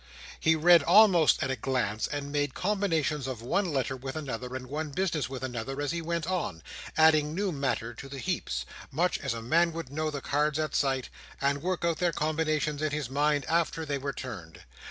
He read almost at a glance, and made combinations of one letter with another and one business with another as he went on, adding new matter to the heaps—much as a man would know the cards at sight, and work out their combinations in his mind after they were turned.